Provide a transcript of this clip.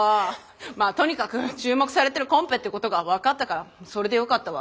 まあとにかく注目されてるコンペってことが分かったからそれでよかったわ。